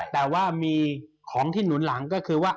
แต่ว่ามีของที่หนุนหลังก็คือว่า